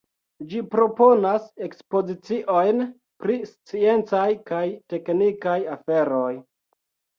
Ĝi proponas ekspoziciojn pri sciencaj kaj teknikaj aferoj.